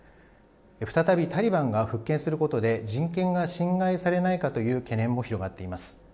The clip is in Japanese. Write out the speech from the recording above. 再びタリバンが復権することで、人権が侵害されないかという懸念も広がっています。